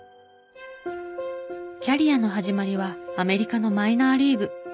キャリアの始まりはアメリカのマイナーリーグ。